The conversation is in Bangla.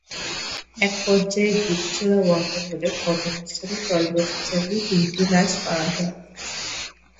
একপর্যায়ে গুলি ছোড়া বন্ধ হলে ঘটনাস্থলে তল্লাশি চালিয়ে তিনটি লাশ পাওয়া যায়।